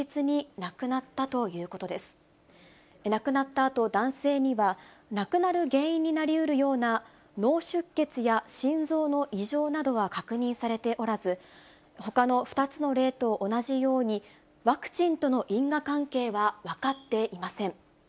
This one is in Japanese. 亡くなったあと、男性には、亡くなる原因になりうるような、脳出血や心臓の異常などは確認されておらず、ほかの２つの例と同じように、ワクチンとの因果関係は分かっていません。